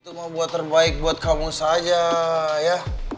itu mau buat terbaik buat kamu saja ya